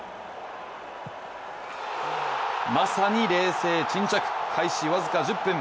まさに冷静沈着、開始僅か１０分。